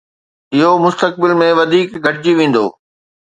اهو مستقبل ۾ وڌيڪ گهٽجي ويندو